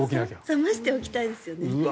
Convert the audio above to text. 冷ましておきたいですよね。